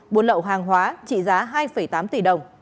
buôn lậu hàng hóa trị giá hai tám tỷ đồng